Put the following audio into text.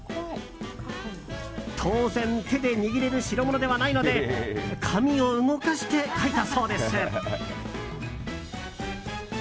当然、手で握れる代物ではないので紙を動かして書いたそうです。